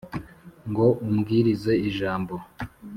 ngo ubwirize ijambo